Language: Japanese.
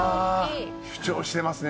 主張してますね